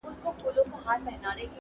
• وایي تم سه خاطرې دي راته وایي -